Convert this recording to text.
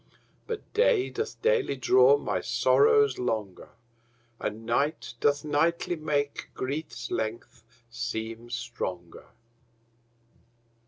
But day doth daily draw my sorrows longer, And night doth nightly make grief's length seem stronger.